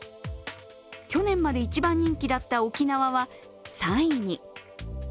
去年まで一番人気だった沖縄は３位に。